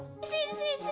disini disini disini